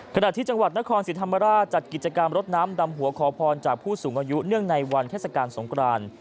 ขณะที่จังหวัดนครศรีธรรมราชจัดกิจกรรมรถน้ำดำหัวขอพรจากผู้สูงอายุเนื่องในวันเทศกาลสงคราน